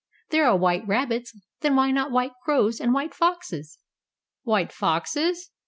"There are white rabbits. Then why not white crows, and white foxes?" "White foxes?"